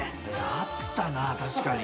あったな確かに。